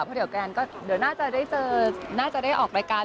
เพราะเดี๋ยวแกนก็เดี๋ยวน่าจะได้เจอน่าจะได้ออกรายการ